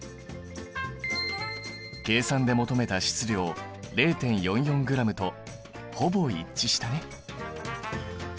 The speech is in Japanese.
計算で求めた質量０．４４ｇとほぼ一致したね。